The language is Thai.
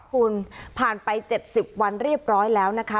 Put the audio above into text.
คุณผ่านไป๗๐วันเรียบร้อยแล้วนะคะ